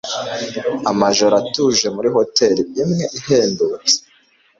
Amajoro atuje muri hoteri imwe ihendutse